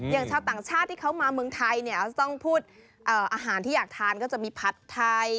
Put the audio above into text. ชาวต่างชาติที่เขามาเมืองไทยเนี่ยต้องพูดอาหารที่อยากทานก็จะมีผัดไทย